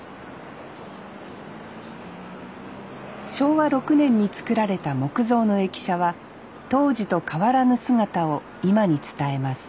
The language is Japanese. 昭和６年に造られた木造の駅舎は当時と変わらぬ姿を今に伝えます